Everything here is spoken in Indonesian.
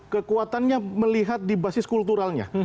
kekuatannya melihat di basis kulturalnya